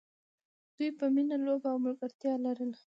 دوی به مینه، لوبه او ملګرتیا لرله.